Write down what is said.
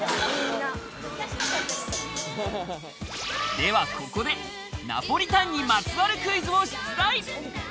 ではここでナポリタンにまつわるクイズを出題。